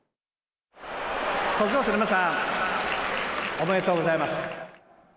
卒業生の皆さん、おめでとうございます。